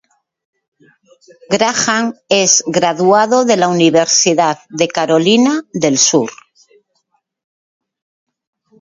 Graham es graduado de la Universidad de Carolina del Sur.